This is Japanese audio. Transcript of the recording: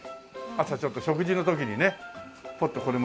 朝ちょっと食事の時にねポッとこれも一緒にね。